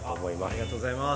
ありがとうございます。